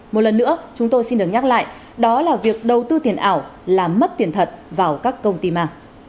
một lần nữa chúng tôi xin được nhắc lại đó là việc đầu tư tiền ảo làm mất tiền thật vào các công ty mạng